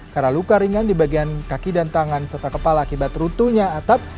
karena luka ringan di bagian kaki dan tangan serta kepala akibat rutunya atap